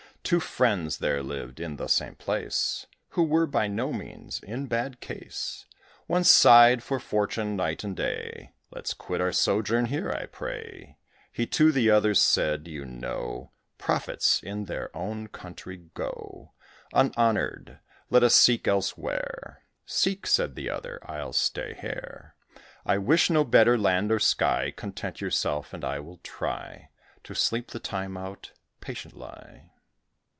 Two friends there lived in the same place, Who were by no means in bad case. One sighed for Fortune night and day: "Let's quit our sojourn here, I pray," He to the other said, "You know, Prophets in their own country go Unhonoured; let us seek elsewhere." "Seek!" said the other; "I'll stay here. I wish no better land or sky: Content yourself, and I will try To sleep the time out patiently."